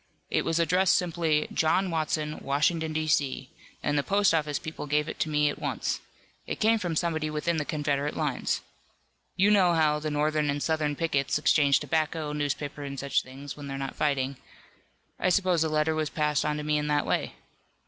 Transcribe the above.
"It was addressed simply 'John Watson, Washington, D. C.,' and the post office people gave it to me at once. It came from somebody within the Confederate lines. You know how the Northern and Southern pickets exchange tobacco, newspapers and such things, when they're not fighting. I suppose the letter was passed on to me in that way.